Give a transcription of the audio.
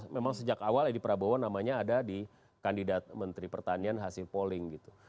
memang sejak awal edi prabowo namanya ada di kandidat menteri pertanian hasil polling gitu